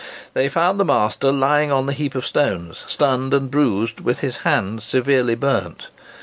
They found the master lying on the heap of stones, stunned and bruised, with his hands severely burnt.